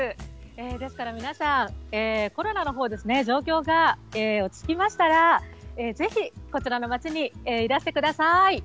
ですから皆さん、コロナのほう、状況が落ち着きましたら、ぜひ、こちらの街にいらしてください。